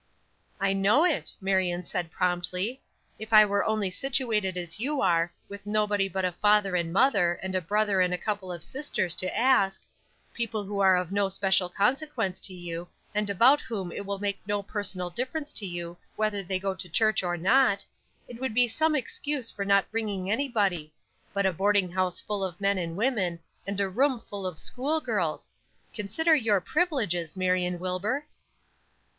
"I know it," Marion said, promptly. "If I were only situated as you are, with nobody but a father and mother, and a brother and a couple of sisters to ask people who are of no special consequence to you, and about whom it will make no personal difference to you whether they go to church or not it would be some excuse for not bringing anybody; but a boarding house full of men and women, and a room full of school girls! consider your privileges, Marion Wilbur."